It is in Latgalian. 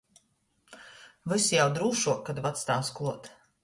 Vys jau drūšuok, kod vactāvs kluot.